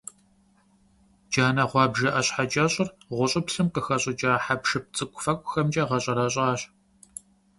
Джанэ гъуабжэ ӀэщхьэкӀэщӀыр гъущӀыплъым къыхэщӀыкӀа хьэпшып цӀыкӀуфэкӀухэмкӀэ гъэщӀэрэщӀащ.